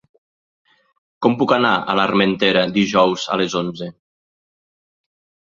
Com puc anar a l'Armentera dijous a les onze?